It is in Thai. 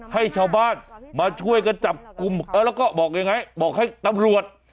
ให้ชาวบ้านมาช่วยกันจับกลุ่มแล้วก็บอกยังไงบอกให้ตำรวจ